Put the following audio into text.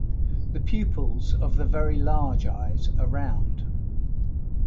The pupils of the very large eyes are round.